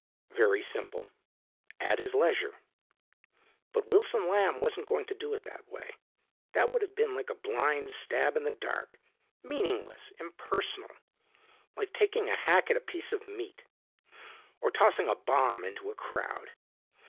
Very simple. At his leisure. But Wilson Lamb wasn't going to do it that way. That would have been like a blind stab, in the dark, meaningless, impersonal. Like taking a hack at a piece of meat. Or tossing a bomb into a crowd.